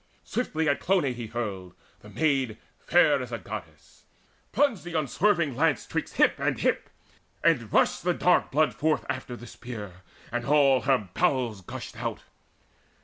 Swiftly at Clonie he hurled, the maid Fair as a Goddess: plunged the unswerving lance 'Twixt hip and hip, and rushed the dark blood forth After the spear, and all her bowels gushed out.